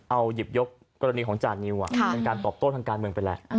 เอาหยิบยกกรณีของจานิวเป็นการตอบโต้ทางการเมืองไปแหละ